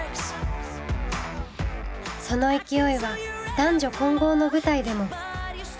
その勢いは男女混合の舞台でも。